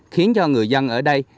khiến cho người dân ở đây